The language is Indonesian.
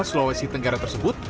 sulawesi tenggara tersebut